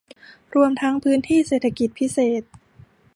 รวมทั้งพื้นที่เศรษฐกิจพิเศษ